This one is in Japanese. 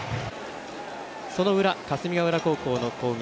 その裏、霞ヶ浦高校の攻撃